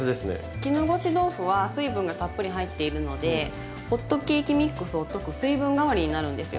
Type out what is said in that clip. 絹ごし豆腐は水分がたっぷり入っているのでホットケーキミックスを溶く水分代わりになるんですよ。